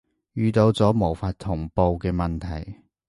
遇到咗無法同步嘅問題